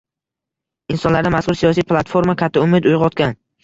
Insonlarda mazkur siyosiy platforma katta umid uygʻotgan